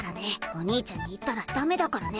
お兄ちゃんに言ったらダメだからね。